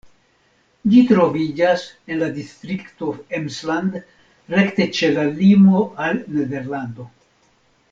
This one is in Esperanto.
Ĝi troviĝas en la distrikto Emsland, rekte ĉe la limo al Nederlando.